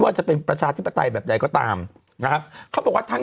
จะเป็นประชาธิปไตยแบบใดก็ตามนะครับเขาบอกว่าทั้ง